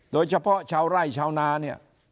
โดยเฉพาะชาวไร่ชาวนาเนี่ย